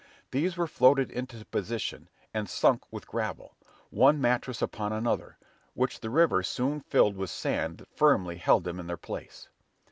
These were floated into position, and sunk with gravel, one mattress upon another, which the river soon filled with sand that firmly held them in their place.